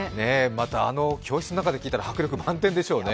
またあの教室の中で聴いたら迫力満点でしょうね。